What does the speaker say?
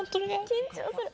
緊張する。